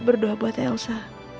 berdoa buat elsa